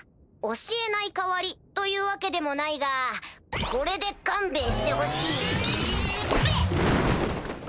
教えない代わりというわけでもないがこれで勘弁してほしいいペッ！